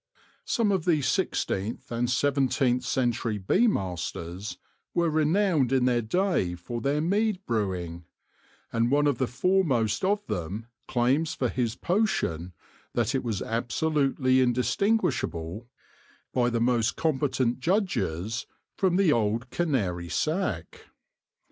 Some of the sixteenth BEE MASTERS IN THE MIDDLE AGES 19 and seventeenth century bee masters were renowned in their day for their mead brewing ; and one of the foremost of them claims for his potion that it was ab solutely indistinguishable, by the most competent judges, from old Canary Sack.